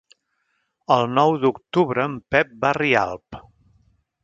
El nou d'octubre en Pep va a Rialp.